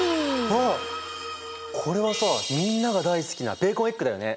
あっこれはさみんなが大好きなベーコンエッグだよね。